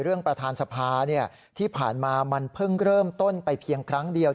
ประธานสภาที่ผ่านมามันเพิ่งเริ่มต้นไปเพียงครั้งเดียว